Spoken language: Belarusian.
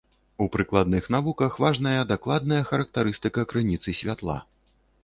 У прыкладных навуках важная дакладная характарыстыка крыніцы святла.